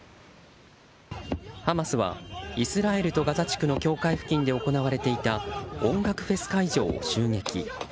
ハマスはイスラエルとガザ地区の境界付近で行われていた音楽フェス会場を襲撃。